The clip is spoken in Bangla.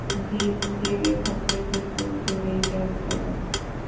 জিন জেগে থাকলে কিন্তু জোরেই গাড়ি চালায়।